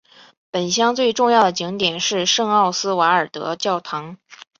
本乡最重要的景点是圣奥斯瓦尔德教堂。